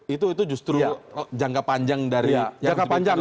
itu justru jangka panjang dari yang diperhitungkan pdi perjuangan